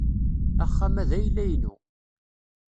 Axxam-a d ayla-inu.